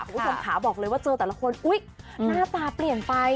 คุณผู้ชมขาบอกเลยว่าเจอแต่ละคนอุ๊ยหน้าตาเปลี่ยนไป